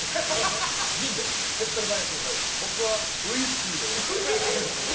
僕はウイスキーでお願いします。